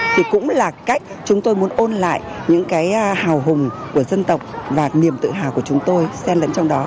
thì cũng là cách chúng tôi muốn ôn lại những cái hào hùng của dân tộc và niềm tự hào của chúng tôi xen lẫn trong đó